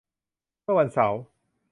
เมื่อวันเสาร์